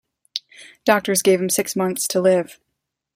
Doctors gave him six months to live.